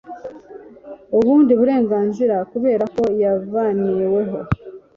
ubundi burenganzira kubera ko yavaniweho